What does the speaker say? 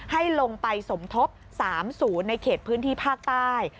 ให้ลงไปสมทบ๓๐ในเขตพื้นที่ภาคใต้